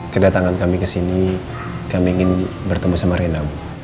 kedatangan kami kesini kami ingin bertemu sama rena